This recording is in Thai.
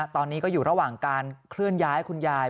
ตอนนี้ก็อยู่ระหว่างการเคลื่อนย้ายคุณยาย